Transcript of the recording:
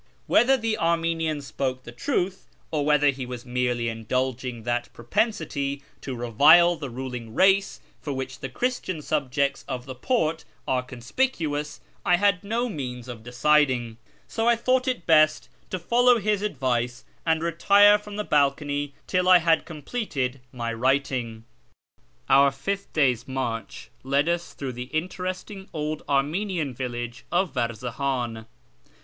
Whether the Armenian spoke the truth, or whether he was merely indulging that propensity to revile the ruling race for which the Christian subjects of the Porte are con spicuous, I had no means of deciding, so I thought it best to follow his advice and retire from the balcony till I had com pleted my writing. Our fifth day's march led us through the interesting old Armenian village of Varzahan.